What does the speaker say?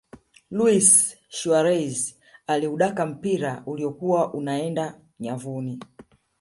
luis suarez aliudaka mpira uliyokuwa unaeenda nyavuni